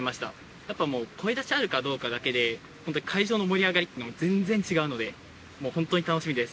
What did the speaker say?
やっぱもう、声出しあるかどうかだけで、本当、会場の盛り上がりって全然違うので、もう本当に楽しみです。